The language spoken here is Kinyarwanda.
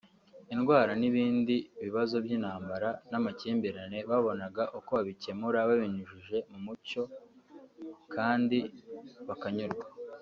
indwara n’ibindi bibazo by’intambara n’amakimbirane babonaga uko babicyemura babinyujije mu muco kandi bakanyurwa